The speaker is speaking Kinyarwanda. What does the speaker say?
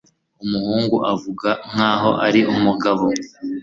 Umuhungu avuga nkaho ari umugabo